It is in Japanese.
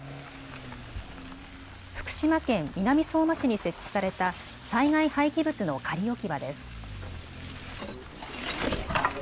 福島県南相馬市に設置された災害廃棄物の仮置き場です。